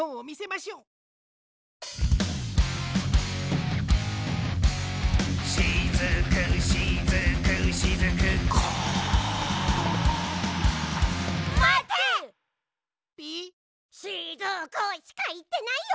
「しずく」しかいってないよ？